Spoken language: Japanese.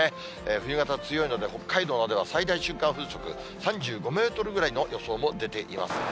冬型、強いので、北海道では最大瞬間風速３５メートルぐらいの予想も出ています。